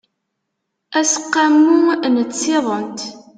aseqqamu n tsiḍent